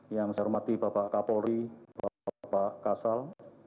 yang saya hormati bapak kapolri bapak kasal